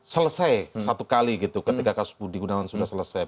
selesai satu kali gitu ketika kasus digunakan sudah selesai